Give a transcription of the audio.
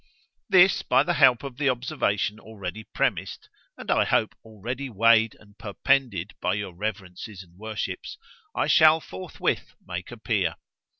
This by the help of the observation already premised, and I hope already weighed and perpended by your reverences and worships, I shall forthwith make appear.